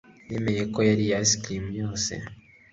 yemeye ko yariye ice cream yose.